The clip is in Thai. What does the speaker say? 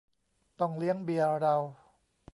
ต้องเลี้ยงเบียร์เรา